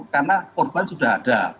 karena korban sudah ada